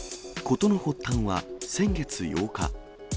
ことの発端は先月８日。